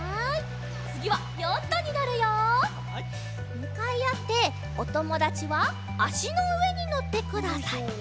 むかいあっておともだちはあしのうえにのってください。